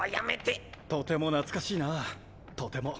とても懐かしいなとても。